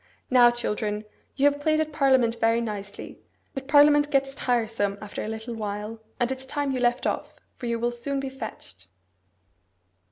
Now, children, you have played at parliament very nicely; but parliament gets tiresome after a little while, and it's time you left off, for you will soon be fetched.